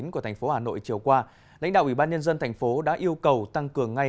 của thành phố hà nội chiều qua lãnh đạo ủy ban nhân dân thành phố đã yêu cầu tăng cường ngay